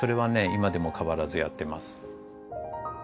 今でも変わらずやってます。